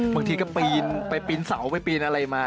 บางทีก็ปีนไปปีนเสาไปปีนอะไรมา